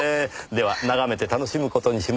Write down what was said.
では眺めて楽しむ事にします。